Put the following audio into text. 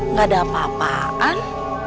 gak ada apa apaan